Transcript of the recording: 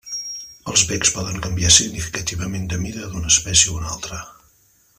Els becs poden variar significativament de mida d'una espècie a una altra.